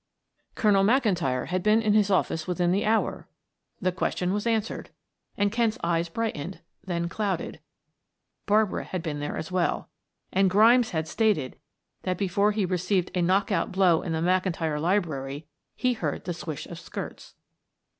Colonel McIntyre had been in his office within the hour the question was answered, and Kent's eyes brightened, then clouded Barbara had been there as well, and Grimes had stated that before he received a knock out blow in the McIntyre library he heard the swish of skirts!